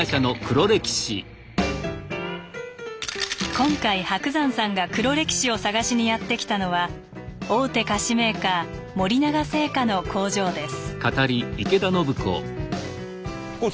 今回伯山さんが黒歴史を探しにやって来たのは大手菓子メーカー森永製菓の工場です。